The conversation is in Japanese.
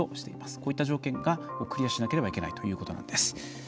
こうした条件をクリアしなければいけないということなんです。